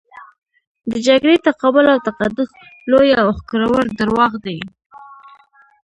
د جګړې تقابل او تقدس لوی او ښکرور درواغ دي.